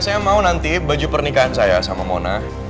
saya mau nanti baju pernikahan saya sama mona